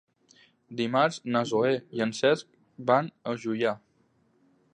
Dimarts na Zoè i en Cesc van a Juià.